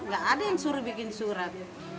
gak ada yang suruh bikin surat